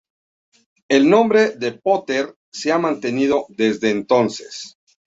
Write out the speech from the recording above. El nombre "Potter" se ha mantenido desde entonces.